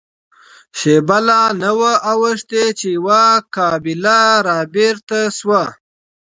شېبه لا نه وه اوښتې چې يوه قابله را بېرته شوه.